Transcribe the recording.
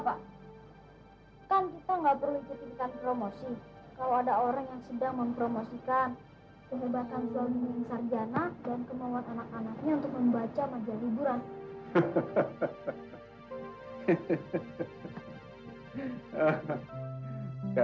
kan kita tidak perlu ikut ikutan promosi kalau ada orang yang sedang mempromosikan kehebatan pembimbing sarjana dan kemauan anak anaknya untuk membaca majal liburan